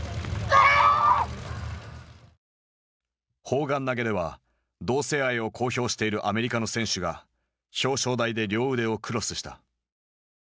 砲丸投げでは同性愛を公表しているアメリカの選手が表彰台で両腕をクロスした。